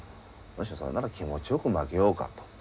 それなら気持ちよく負けようかと。